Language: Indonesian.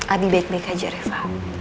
abi baik baik aja reva